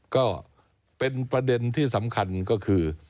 ก็เป็นประเด็นที่สำคัญก็คือ